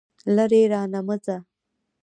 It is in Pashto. لرې رانه مه ځه.